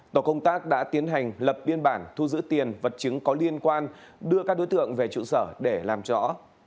tổ công tác đã tiến hành lập biên bản thu giữ tiền vật chứng có liên quan đưa các đối tượng về trụ sở để làm rõ